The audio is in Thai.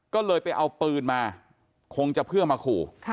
ก็เลยไปเอาปืนมาคงจะเพื่อมาขู่